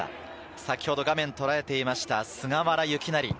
先ほど画面が捉えていました、菅原由勢。